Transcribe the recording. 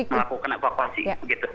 melakukan evakuasi begitu